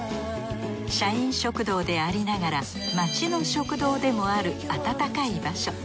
社員食堂でありながら街の食堂でもある温かい場所。